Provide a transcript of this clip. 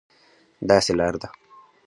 داسې لار ده،